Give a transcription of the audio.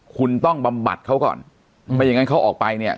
คุณต้องบำบัดเขาก่อนไม่อย่างนั้นเขาออกไปเนี่ย